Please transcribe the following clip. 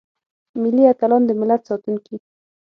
ملي اتلان دملت ساتونکي.